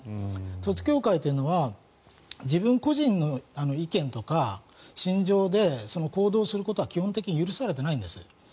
統一教会というのは自分個人の意見とか信条で行動をすることは基本的に許されていないんです。